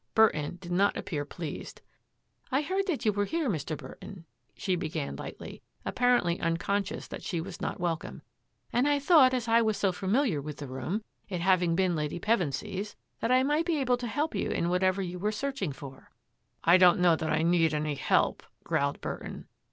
Burton did not appear pleased. " I heard that you were here, Mr. Burton," she began lightly, apparently unconscious that she was not welcome, ^^ and I thought as I was so familiar with the room, it having been Lady Pevensy's, that I might be able to help you in whatever you were searching for." " I don't know that I need any help," growled Burton.